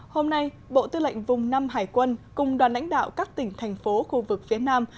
hôm nay bộ tư lệnh vùng năm hải quân cùng đoàn lãnh đạo các tỉnh thành phố khu vực phía nam